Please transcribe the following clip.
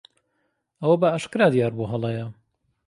ئەوە بەئاشکرا دیار بوو هەڵەیە.